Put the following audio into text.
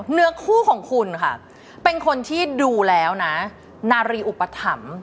เนื้อคู่ของคุณค่ะเป็นคนที่ดูแล้วนะนารีอุปถัมภ์